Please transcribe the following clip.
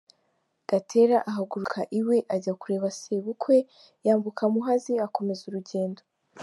Gatera ahaguruka iwe ajya kureba sebukwe, yambuka Muhazi, akomeza urugendo.